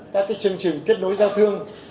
các chương trình kết nối giao thương